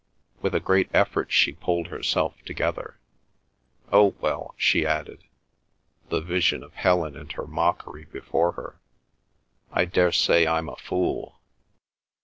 With a great effort she pulled herself together. "Oh, well," she added, the vision of Helen and her mockery before her, "I dare say I'm a fool."